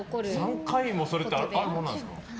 ３回もそれってあるもんなんですか？